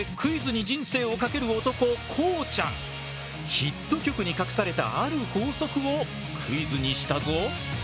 ヒット曲に隠されたある法則をクイズにしたぞ。